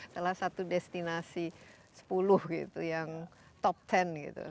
salah satu destinasi sepuluh gitu yang top sepuluh gitu